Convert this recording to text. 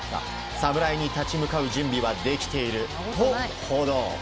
サムライに立ち向かう準備はできていると報道。